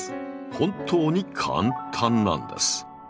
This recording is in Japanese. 本当に簡単なんです。